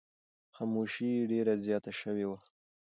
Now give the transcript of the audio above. خاموشي ډېره زیاته شوې وه.